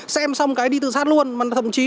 xem xong cái đi từ sát luôn mà thậm chí